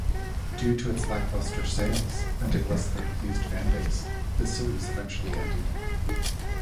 Due to its lackluster sales and a less-than-pleased fanbase, the series eventually ended.